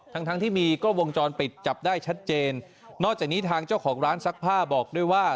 ทั้งทั้งที่มีกล้องวงจรปิดจับได้ชัดเจนนอกจากนี้ทางเจ้าของร้านซักผ้าบอกด้วยว่า